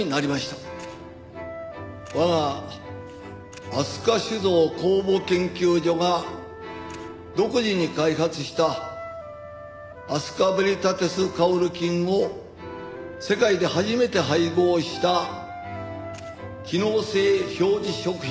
我が飛鳥酒造酵母研究所が独自に開発したアスカベリタティスカオル菌を世界で初めて配合した機能性表示食品甘酒